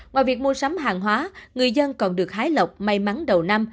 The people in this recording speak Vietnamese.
ngoài việc mua sắm hàng hóa người dân còn được hái lộc may mắn đầu năm